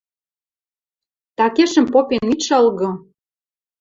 – Такешӹм попен ит шалгы!